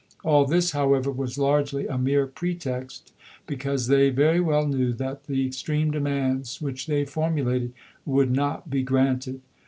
All this, however, was largely a mere pretext, because they very well knew that the extreme demands which they formulated would not be granted.